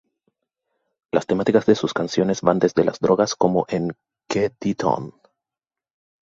Las temáticas de sus canciones van desde las drogas como en "Que dit-on?